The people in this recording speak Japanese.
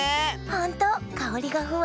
ほんとかおりがふわって。